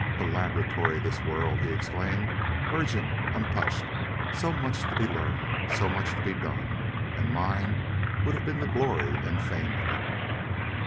"A laboratory this world!" he exclaimed. "Virgin! Untouched!... So much to be learned; so much to be done! And mine would have been the glory and fame of it!"